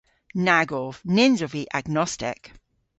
Nag ov. Nyns ov vy agnostek.